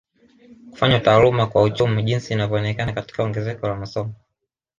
Kufanywa taaluma kwa uchumi jinsi inavyoonekana katika ongezeko la masomo